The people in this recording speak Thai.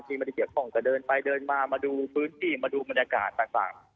ที่บริเวณห้องจะเดินไปเดินมามาดูพื้นที่มาดูบรรยากาศต่าง